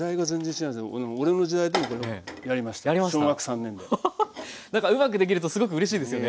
なんかうまくできるとすごくうれしいですよね。